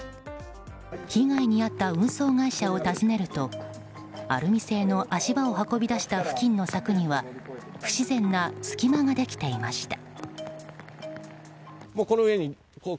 被害に遭った運送会社を訪ねるとアルミ製の足場を運び出した付近の柵には不自然な隙間ができていました。